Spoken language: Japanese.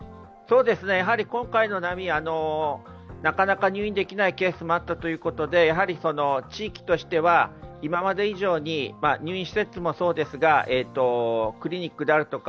今回の波、なかなか入院できないケースもあったということで、地域としては、今まで以上に入院施設もそうですがクリニックであるとか